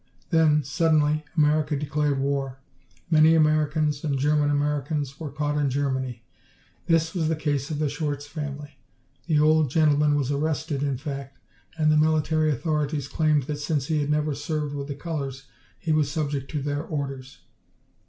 Then, suddenly, America declared war. Many Americans, and German Americans, were caught in Germany. This was the case of the Schwarz family. The old gentleman was arrested, in fact, and the military authorities claimed that since he had never served with the colors he was subject to their orders.